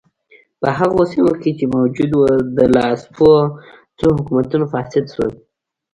په هغو سیمو کې چې موجود و د لاسپوڅو حکومتونو فاسد شول.